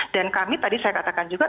dan kami tadi saya katakan juga